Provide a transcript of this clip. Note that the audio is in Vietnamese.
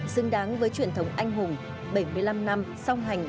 xứng đáng với truyền thống anh hùng bảy mươi năm năm song hành